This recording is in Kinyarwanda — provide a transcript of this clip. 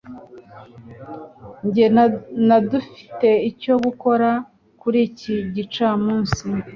Jye na dufite icyo gukora kuri iki gicamunsi.